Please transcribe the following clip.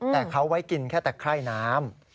แต่เค้าไว้กินแค่แต่ไข้น้ำ